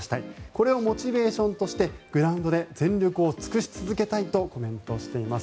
これをモチベーションとしてグラウンドで全力を尽くし続けたいとコメントしています。